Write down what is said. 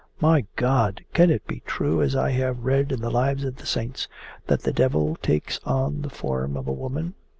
'My God! Can it be true, as I have read in the Lives of the Saints, that the devil takes on the form of a woman?